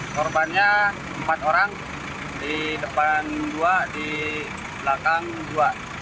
korbannya empat orang di depan dua di belakang dua